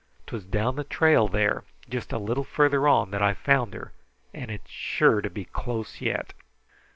'Twas down the trail there, just a little farther on, that I found her, and it's sure to be close yet."